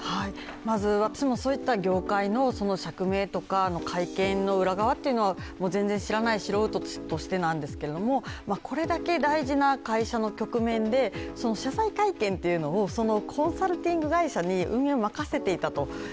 まず私も、そういった業界の釈明とか会見の裏側というのは全然知らない、素人としてなんですけどこれだけ大事な会社の局面で謝罪会見というのをコンサルティング会社に運営を任せていたと。